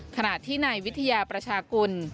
ขณะที่นายวิทยาประชากุล